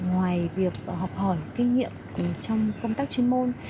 ngoài việc học hỏi kinh nghiệm trong công tác chuyên môn